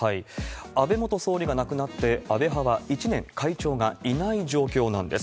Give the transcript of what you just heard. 安倍元総理が亡くなってから、安倍派は１年、会長がいない状況なんです。